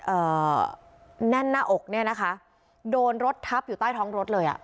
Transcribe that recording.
เอ่อแน่นหน้าอกเนี้ยนะคะโดนรถทับอยู่ใต้ท้องรถเลยอ่ะ